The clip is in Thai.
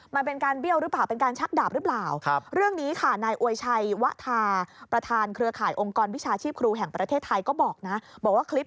มันเป็นการเบี้ยวหรือเปล่าเป็นการชักดาบหรือเปล่า